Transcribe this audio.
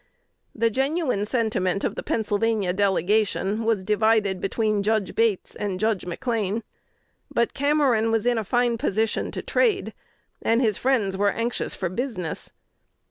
The genuine sentiment of the Pennsylvania delegation was divided between Judge Bates and Judge McLean. But Cameron was in a fine position to trade, and his friends were anxious for business.